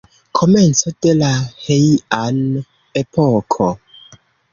Komenco de la Heian-epoko.